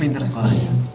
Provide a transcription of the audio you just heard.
main tersebut aja